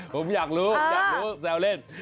ผมอยากรู้แซวเล่น